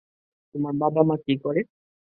তোমার বাবা-মা কী করে?